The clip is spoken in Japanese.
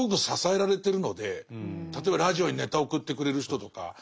例えばラジオにネタ送ってくれる人とか。